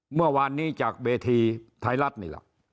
เมื่อวานนี้จากเวทีไทยรัฐนี่แหละ